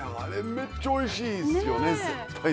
めっちゃおいしいっすよね絶対に。